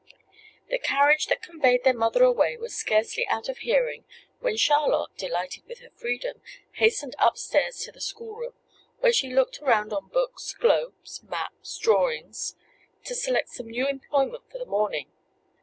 The carriage that conveyed their mother away was scarcely out of hearing, when Charlotte, delighted with her freedom, hastened upstairs to the schoolroom, where she looked around on books, globes, maps, drawings, to select some new employment for the morning.